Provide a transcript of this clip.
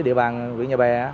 địa bàn hủy nhà bè